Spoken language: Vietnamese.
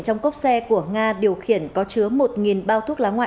trong cốc xe của nga điều khiển có chứa một bao thuốc lá ngoại